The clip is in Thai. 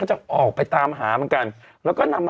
ก็จะออกไปตามหาเหมือนกัน